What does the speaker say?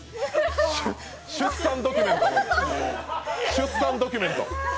出産ドキュメント？